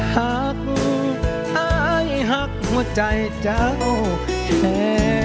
หักหักหักหัวใจเจ้าเอง